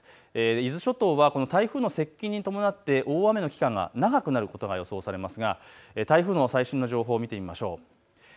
伊豆諸島はこの台風の接近に伴って大雨の期間が長くなることが予想されますが台風の最新の情報を見てみましょう。